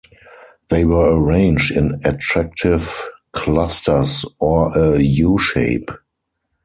They were arranged in attractive clusters or a U-shape.